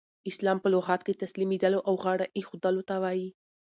اسلام په لغت کښي تسلیمېدلو او غاړه ایښودلو ته وايي.